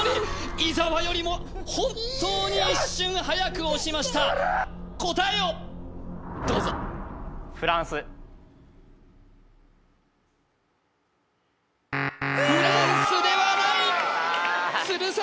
伊沢よりも本当に一瞬はやく押しました答えをどうぞフランスではない鶴崎